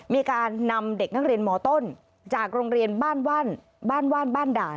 มีการนำเด็กนักเรียนมต้นจากโรงเรียนบ้านว่านบ้านด่าน